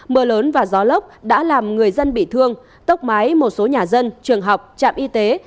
mưa lớn và gió lốc đã làm người dân bị thương tốc mái một số nhà dân trường học trạm y tế